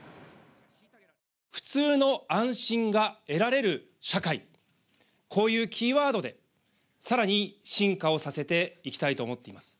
普通の安心が得られる社会、こういうキーワードで、さらに進化をさせていきたいと思っています。